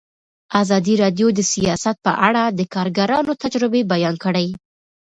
ازادي راډیو د سیاست په اړه د کارګرانو تجربې بیان کړي.